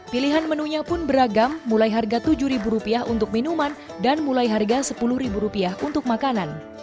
pilihan menunya pun beragam mulai harga tujuh rupiah untuk minuman dan mulai harga sepuluh rupiah untuk makanan